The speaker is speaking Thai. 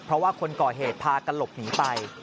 เพราะว่าคนก่อเหตุพากันหลบหนีไป